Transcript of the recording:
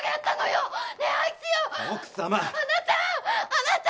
あなた！